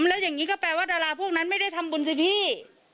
แล้วอย่างนี้ก็แปลว่าดาราพวกนั้นไม่ได้ทำบุญสิพี่